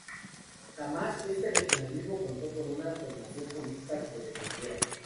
Jamás este regionalismo contó con una formación política que lo defendiera.